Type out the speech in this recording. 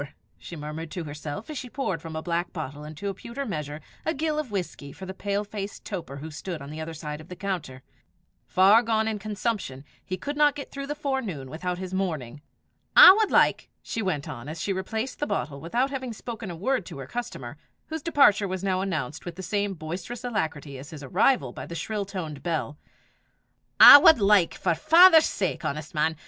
she murmured to herself as she poured from a black bottle into a pewter measure a gill of whisky for the pale faced toper who stood on the other side of the counter: far gone in consumption, he could not get through the forenoon without his morning. "I wad like," she went on, as she replaced the bottle without having spoken a word to her customer, whose departure was now announced with the same boisterous alacrity as his arrival by the shrill toned bell "I wad like, for 'is father's sake, honest man!